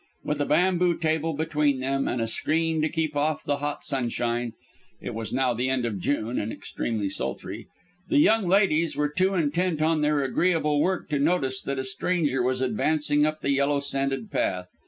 With a bamboo table between them and a screen to keep off the hot sunshine it was now the end of June and extremely sultry the young ladies were too intent on their agreeable work to notice that a stranger was advancing up the yellow sanded path.